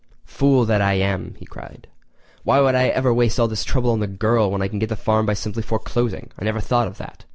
"Fool that I am!" he cried. "Why did I ever waste all this trouble on the girl when I can get the farm by simply foreclosing? I never thought of that!